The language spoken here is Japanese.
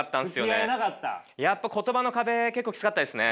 やっぱ言葉の壁結構きつかったですね。